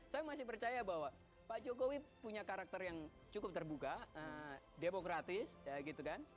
saya masih percaya bahwa pak jokowi punya karakter yang cukup terbuka demokratis ya gitu kan